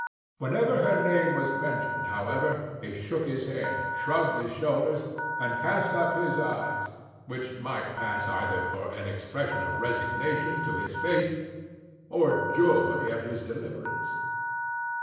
Whenever her name was mentioned, however, he shook his head, shrugged his shoulders, and cast up his eyes; which might pass either for an expression of resignation to his fate, or joy at his deliverance.